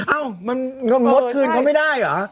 อ้าวมดคืนเขาไม่ได้หรอ